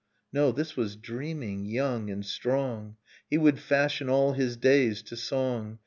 — No, this was dreaming; young and strong, He would fashion all his days to song.